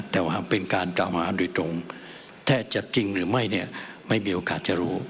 แต่ว่าเป็นการกล่าวหาโดยตรงแทบจะจริงหรือไม่เนี่ยไม่มีโอกาสจะรู้